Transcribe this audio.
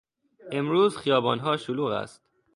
امروز خیابانها شلوغ است.